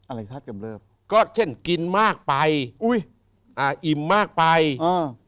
อะไรสักกำเริบก็เช่นกินมากไปอุ้ยอ่าอิ่มมากไปอ่า